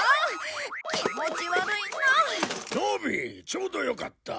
ちょうどよかった。